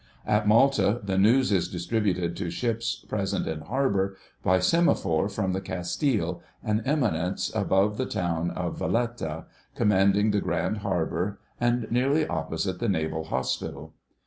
At Malta the news is distributed to ships present in harbour by semaphore from the Castile, an eminence above the town of Valletta, commanding the Grand Harbour and nearly opposite the Naval Hospital.